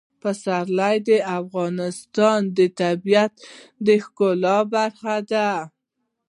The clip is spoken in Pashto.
پسرلی د افغانستان د طبیعت د ښکلا برخه ده.